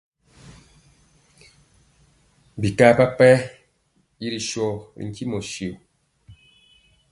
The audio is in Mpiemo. Bika papayɛ i ri so ntimɔ syo.